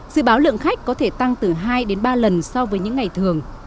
dự báo lượng khách có thể tăng từ hai đến ba lần so với những ngày thường